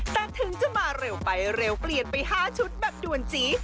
แต่ถึงจะมาเร็วไปเร็วเปลี่ยนไป๕ชุดแบบด่วนจี๊